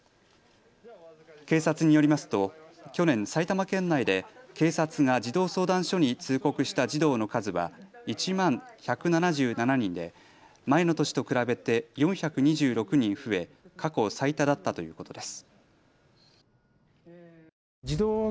警察によりますと去年、埼玉県内で警察が児童相談所に通告した児童の数は１万１７７人で前の年と比べて４２６人増え過去最多だったということです。